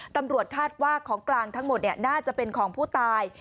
ตำรวจคาดว่าของกลางทั้งหมดน่าจะเป็นของผู้ตาย